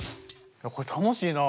これ楽しいな。